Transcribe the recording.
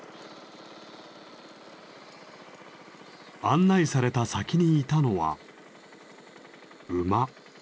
案内された先にいたのは馬。